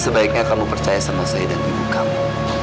sebaiknya kamu percaya sama saya dan ibu kamu